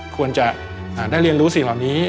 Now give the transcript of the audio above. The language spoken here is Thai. ควรจะได้เรียนรู้สิ่งเหล่านี้